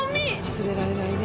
忘れられないね